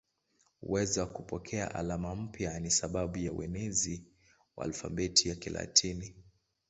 Uwezo wa kupokea alama mpya ni sababu ya uenezi wa alfabeti ya Kilatini.